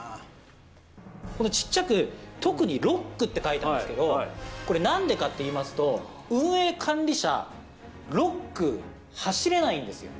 このちっちゃく、特に６区って書いてあるんですけど、これなんでかって言いますと、運営管理車、６区走れないんですよ。